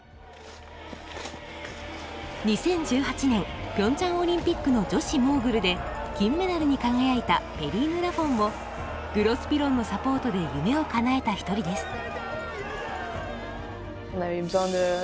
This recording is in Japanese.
２０１８年ピョンチャンオリンピックの女子モーグルで金メダルに輝いたペリーヌ・ラフォンもグロスピロンのサポートで夢をかなえた一人です。